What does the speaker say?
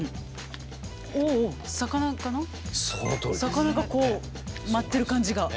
魚がこう舞ってる感じが。